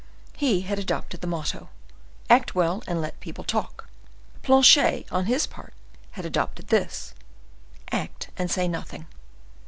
He had adopted the motto, "Act well, and let people talk." Planchet, on his part had adopted this, "Act and say nothing."